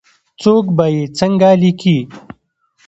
څوک به یې څنګه لیکې ؟